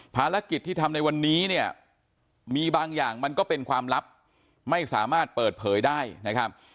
ภารกิจที่ทำในวันนี้เนี่ยมีบางอย่างมันก็เป็นความลับไม่สามารถเปิดเผยได้นะครับ